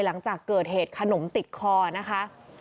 หลังจากเกิดเหตุขนมติดคอนะคะ